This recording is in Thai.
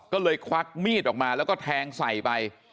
ก็เลยควักมีดออกมาแล้วก็แทงใส่ไป